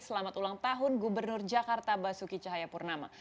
selamat ulang tahun gubernur jakarta basuki cahayapurnama